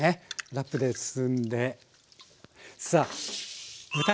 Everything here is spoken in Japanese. ラップで包んで。さあ。